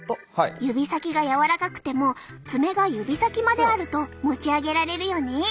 指先が柔らかくても爪が指先まであると持ち上げられるよね。